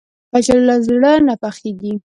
کچالو له زړه نه پخېږي